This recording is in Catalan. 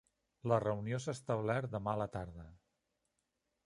La reunió s'ha establert demà a la tarda.